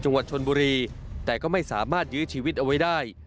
จังหวัดชนบุรีแต่ก็ไม่สามารถยื้อชีวิตเอาไว้ได้